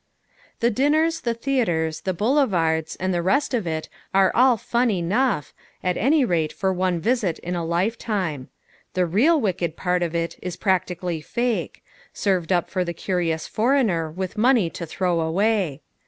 The dinners, the theaters, the boulevards, and the rest of it are all fun enough, at any rate for one visit in a lifetime. The "real wicked" part of it is practically fake served up for the curious foreigner with money to throw away.